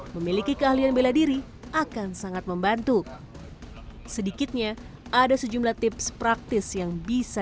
memiliki keahlian bela diri akan sangat membantu sedikitnya ada sejumlah tips praktis yang bisa